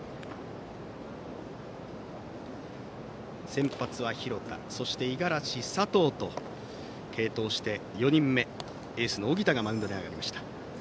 先発は廣田五十嵐、佐藤と継投して４人目、エースの小北がマウンドに上がりました。